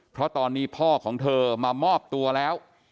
เพราะตอนนี้พ่อของเธอมามอบตัวแล้ว